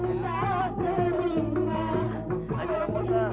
lu jagain dong itu orang kampung